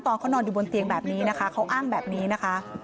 ตอนเขานอนอยู่บนเตียงแบบนี้นะคะเขาอ้างแบบนี้นะคะ